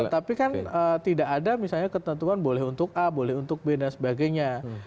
tapi kan tidak ada misalnya ketentuan boleh untuk a boleh untuk b dan sebagainya